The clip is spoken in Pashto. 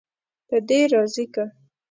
په دې راضي کړ.